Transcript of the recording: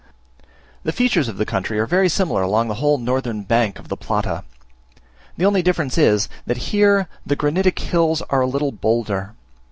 The features of the country are very similar along the whole northern bank of the Plata. The only difference is, that here the granitic hills are a little bolder.